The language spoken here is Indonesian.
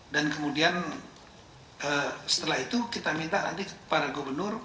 dan kemudian setelah itu kita minta nanti para gubernur